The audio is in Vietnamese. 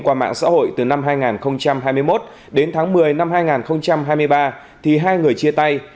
qua mạng xã hội từ năm hai nghìn hai mươi một đến tháng một mươi năm hai nghìn hai mươi ba thì hai người chia tay